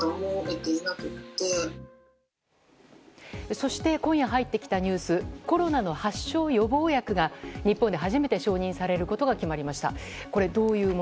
そして、今夜入ってきたニュースコロナの発症予防薬が日本で初めて承認されることが決まりました。